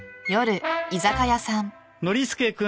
ノリスケ君。